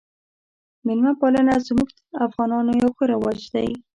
میلمه پالنه زموږ افغانانو یو ښه رواج دی